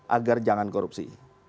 agar jangan korupsi